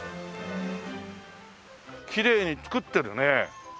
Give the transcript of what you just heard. きれいに造ってるね。